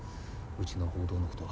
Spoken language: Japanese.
うちの報道のこと。